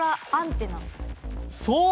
そう！